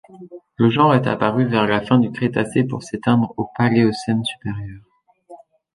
Le genre est apparu vers la fin du Crétacé pour s'éteindre au Paléocène supérieur.